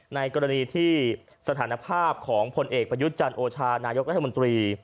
ในกรณีที่สถานภาพของพลเอกประยุทธ์จันทร์โอชานายกรัฐมนตรี